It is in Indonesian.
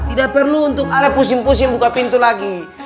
tidak perlu untuk ada pusing pusing buka pintu lagi